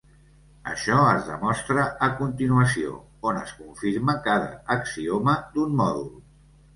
Això es demostra a continuació, on es confirma cada axioma d'un mòdul.